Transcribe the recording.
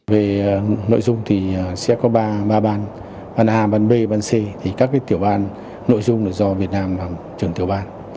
về nội dung thì sẽ có ba ban ban a ban b ban c các tiểu ban nội dung do việt nam và trường tiểu ban